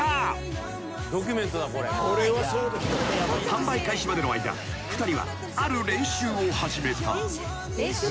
［販売開始までの間２人はある練習を始めた］